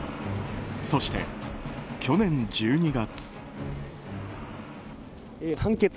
そして、去年１２月。